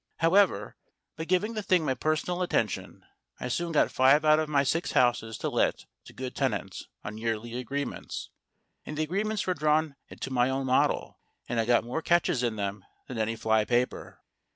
However, by giving the thing my personal attention, I soon got five out of my six houses let to good tenants on yearly agreements ; and the agreements were drawn to my own model, and had got more catches in them than any fly paper.